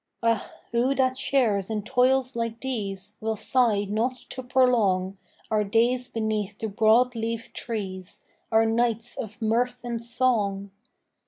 Ah, who that shares in toils like these Will sigh not to prolong Our days beneath the broad leaved trees, Our nights of mirth and song?